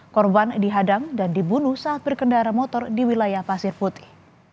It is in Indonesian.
korban dihadang dan dibunuh saat berkendara motor di wilayah pasir putih